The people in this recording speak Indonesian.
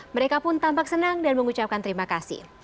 mereka pun tampak senang dan mengucapkan terima kasih